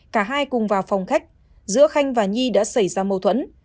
cả hai cùng vào phòng khách giữa khanh và nhi đã xảy ra mâu thuẫn